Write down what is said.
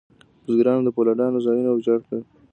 بزګرانو د فیوډالانو ځایونه ویجاړ کړل.